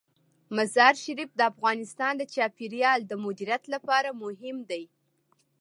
مزارشریف د افغانستان د چاپیریال د مدیریت لپاره مهم دي.